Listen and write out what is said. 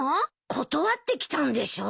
断ってきたんでしょ？